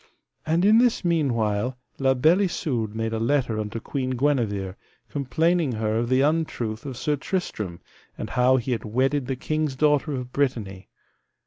And in this meanwhile La Beale Isoud made a letter unto Queen Guenever, complaining her of the untruth of Sir Tristram, and how he had wedded the king's daughter of Brittany.